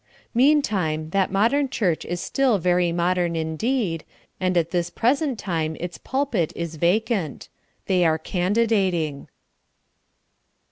Meantime that modern church is still very modern indeed, and at this present time its pulpit is vacant they are candidating!